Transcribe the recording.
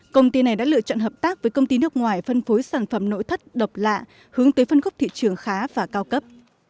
công ty này đã lựa chọn hợp tác với công ty nước ngoài phân phối sản phẩm nội thất độc lạ hướng tới phân khúc thị trường khá và cao cấp